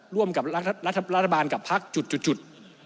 ร่วมกับรัฐบาลกับพักจุด